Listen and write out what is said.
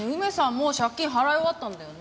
もう借金払い終わったんだよね？